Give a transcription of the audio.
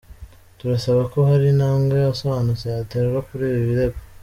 Turasaba ko hari intambwe isobanutse yaterwa kuri ibi birego.